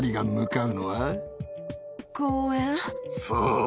そう。